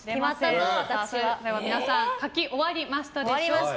皆さん書き終わりましたでしょうか。